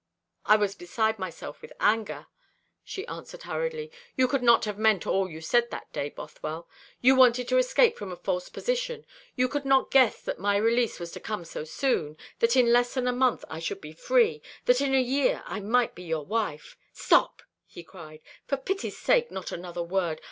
"I was beside myself with anger," she answered hurriedly. "You could not have meant all you said that day, Bothwell. You wanted to escape from a false position; you could not guess that my release was to come so soon, that in less than a month I should be free, that in a year I might be your wife." "Stop!" he cried; "for pity's sake not another word.